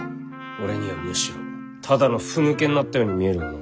俺にはむしろただのふぬけになったように見えるがな。